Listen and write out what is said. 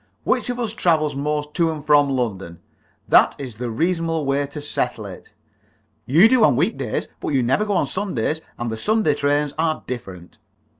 Which of us travels most to and from London? That is the reasonable way to settle it." "You do, on week days. But you never go on Sundays, and the Sunday trains are different."